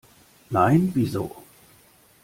Nein, wieso?